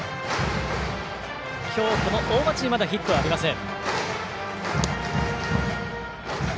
今日、この大町にまだヒットはありません。